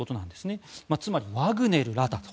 つまりワグネルらだと。